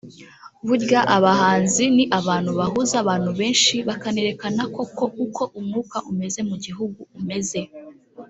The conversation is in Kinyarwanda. Burya abahanzi ni abantu bahuza abantu benshi bakanerekana koko uko umwuka umeze mu gihugu umeze